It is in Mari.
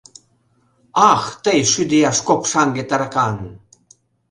— Ах, тый, шӱдӧ ияш копшаҥге-таракан!